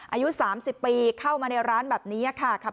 อายุ๓๐ปีเข้ามาในร้านแบบนี้ค่ะ